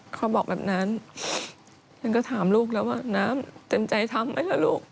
เขาบอกแบบนั้นฉันก็ถามลูกแล้วว่าน้ำเต็มใจทำไหมล่ะลูก